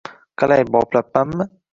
— Qalay, boplabmanmi?